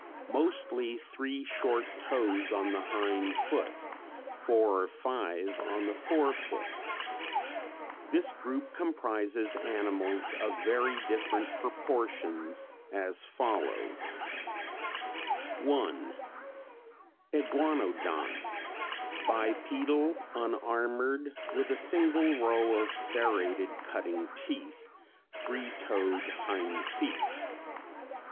Mostly three short toes on the hind foot, four or five on the fore foot. This group comprises animals of very different proportions as follows: 1. Iguanodonts. Bipedal, unarmored, with a single row of serrated cutting teeth, three toed hind feet.